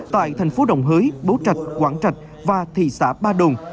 tại thành phố đồng hới bố trạch quảng trạch và thị xã ba đồn